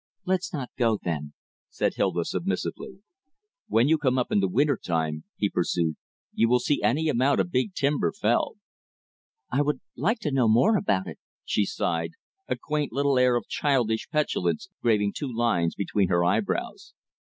"Let's not go, then," said Hilda submissively. "When you come up in the winter," he pursued, "you will see any amount of big timber felled." "I would like to know more about it," she sighed, a quaint little air of childish petulance graving two lines between her eyebrows.